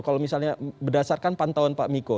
kalau misalnya berdasarkan pantauan pak miko